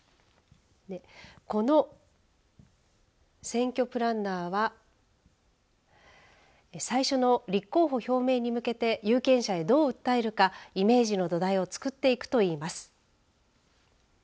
この選挙プランナーは最初の立候補表明に向けて有権者へどう訴えるかイメージの土台をつくっていくといいます。